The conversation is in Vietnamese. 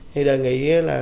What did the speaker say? thì đề nghị là